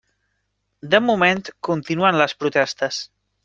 De moment, continuen les protestes.